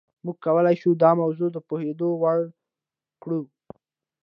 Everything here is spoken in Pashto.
موږ کولای شو دا موضوع د پوهېدو وړ کړو.